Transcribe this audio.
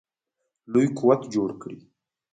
لوی قوت جوړ کړي.